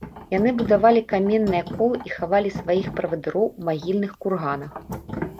Яны будавалі каменныя колы і хавалі сваіх правадыроў ў магільных курганах.